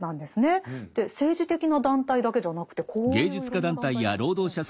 政治的な団体だけじゃなくてこういういろんな団体なんですね。